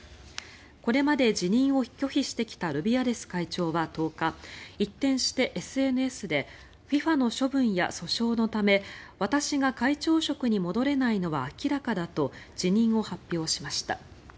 これまで辞任を拒否してきたルビアレス会長は１０日一転してＳＮＳでＦＩＦＡの処分や訴訟のため私が会長職に戻れないのは明らかだと辞任を発表しました。